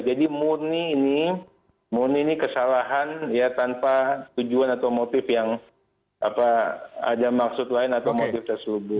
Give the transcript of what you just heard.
jadi murni ini murni ini kesalahan ya tanpa tujuan atau motif yang ada maksud lain atau motif sesudah